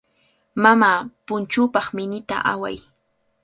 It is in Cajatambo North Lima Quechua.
Mamaa punchuupaq minita awan.